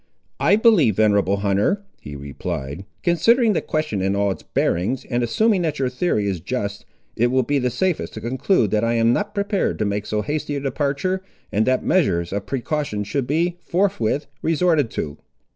"I believe, venerable hunter," he replied, "considering the question in all its bearings, and assuming that your theory is just, it will be the safest to conclude that I am not prepared to make so hasty a departure, and that measures of precaution should be, forthwith, resorted to."